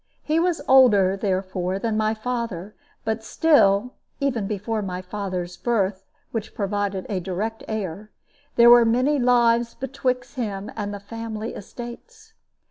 He was older, therefore, than my father, but still (even before my father's birth, which provided a direct heir) there were many lives betwixt him and the family estates.